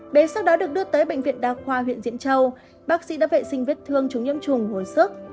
bé sau đó được đưa tới bệnh viện đa khoa huyện diễn châu bác sĩ đã vệ sinh vết thương chống nhiễm trùng hồi sức